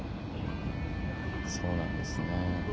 そうなんですね。